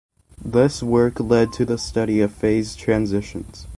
This work lead to the study of phase transitions.